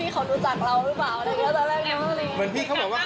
ก็เป็นจริงแบบที่พี่ในวงการบรรเทอม